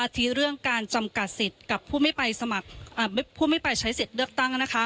อธิเรื่องการจำกัดสิทธิ์กับผู้ไม่ไปใช้สิทธิ์เลือกตั้ง